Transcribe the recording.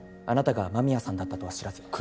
あなたが間宮さんだったとは知らず。